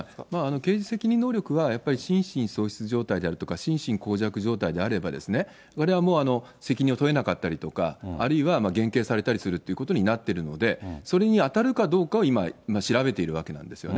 刑事責任能力は、やっぱり心神喪失状態であるとか、心神耗弱状態であれば、われわれは責任を問えなかったりとか、あるいは減刑されたりするということになってるので、それに当たるかどうかを今、調べているわけなんですよね。